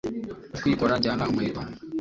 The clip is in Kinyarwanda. Mu kwikora njyana umuheto